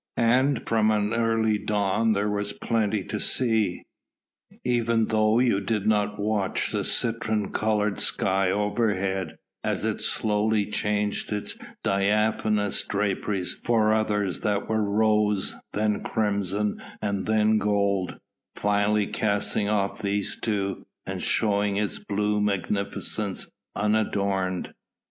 And from early dawn there was plenty to see. Even though you did not watch the citron coloured sky overhead as it slowly changed its diaphanous draperies for others that were rose, then crimson, and then gold, finally casting off these two, and showing its blue magnificence unadorned.